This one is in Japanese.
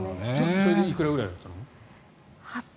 それでいくらぐらいだったの？